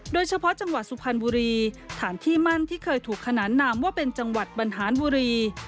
โดยเฉพาะจังหวัดสุพรรณบุรีฐานที่มั่นที่เคยถูกขนานนามว่าเป็นจังหวัดบรรหารบุรี